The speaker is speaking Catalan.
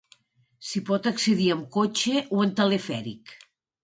S'hi pot accedir amb cotxe o en telefèric.